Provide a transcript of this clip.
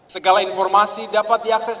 segala informasi dapat diakses